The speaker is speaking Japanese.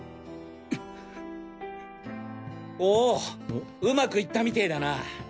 お上手くいったみてぇだな。